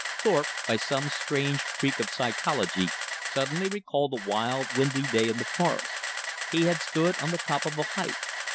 Thorpe, by some strange freak of psychology, suddenly recalled a wild, windy day in the forest. He had stood on the top of a height.